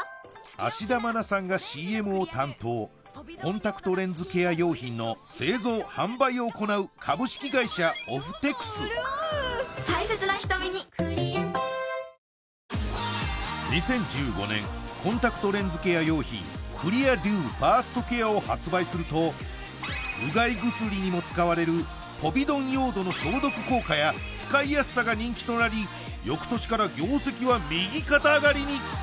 芦田愛菜さんがＣＭを担当コンタクトレンズケア用品の製造販売を行う株式会社オフテクス大切な瞳に２０１５年コンタクトレンズケア用品クリアデューファーストケアを発売するとうがい薬にも使われるポビドンヨードの消毒効果や使いやすさが人気となり翌年から業績は右肩上がりに！